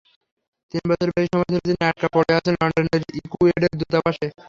তিন বছরের বেশি সময় ধরে তিনি আটকা পড়ে আছেন লন্ডনের ইকুয়েডর দূতাবাসে।